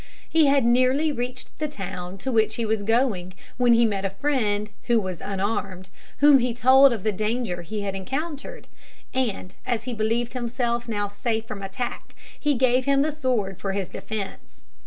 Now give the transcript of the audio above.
He had nearly reached the town to which he was going, when he met a friend who was unarmed, whom he told of the danger he had encountered; and, as he believed himself now safe from attack, he gave him the sword for his defence.